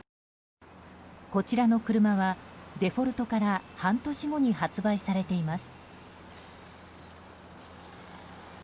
こちらの車は、デフォルトから半年後に発売されています。